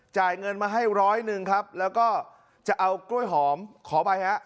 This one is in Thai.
จ่ายเงินมาให้ร้อยหนึ่งครับแล้วก็จะเอากล้วยหอมขออภัยฮะ